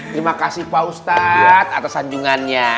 terima kasih pak ustadz atas anjungannya